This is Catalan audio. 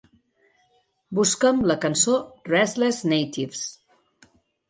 Busca'm la cançó Restless Natives